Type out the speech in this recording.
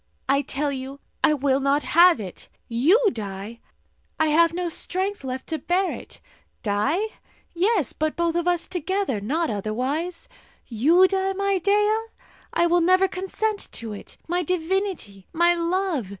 "I tell you, I will not have it! You die? I have no strength left to bear it. Die? Yes; but both of us together not otherwise. You die, my Dea? I will never consent to it! My divinity, my love!